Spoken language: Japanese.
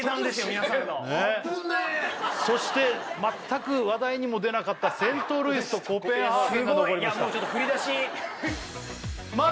皆さんのあぶねえそして全く話題にも出なかったセントルイスとコペンハーゲンが残りました・